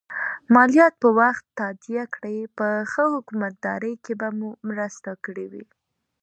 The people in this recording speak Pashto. مالیات په وخت تادیه کړئ په ښه حکومتدارۍ کې به مو مرسته کړي وي.